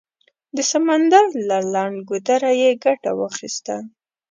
د سمندر له لنډ ګودره یې ګټه واخیسته.